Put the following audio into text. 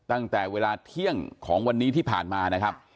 ตั้งแต่เวลาเที่ยงของวันนี้ที่ผ่านมานะครับ